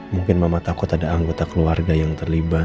mungkin mama takut ada anggota keluarga yang terlibat